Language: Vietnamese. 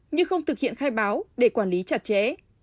nhưng không thực hiện khai báo để quản lý chặt chẽ